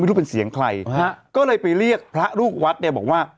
รู้เป็นเสียงใครฮะก็เลยไปเรียกพระลูกวัดเนี่ยบอกว่า